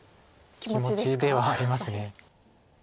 気持ちではあります。